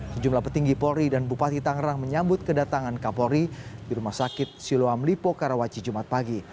sejumlah petinggi polri dan bupati tangerang menyambut kedatangan kapolri di rumah sakit siloam lipo karawaci jumat pagi